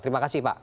terima kasih pak